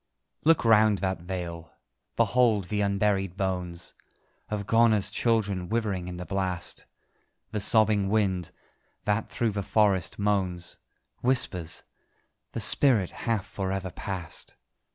Look round that vale: behold the unburied bones Of Ghona's children withering in the blast: The sobbing wind, that through the forest moans, Whispers "The spirit hath for ever passed!"